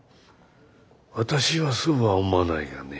私はそうは思わないがね。